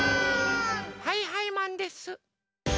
はいはいマンです！